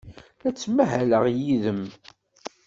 La ttmahaleɣ yid-m.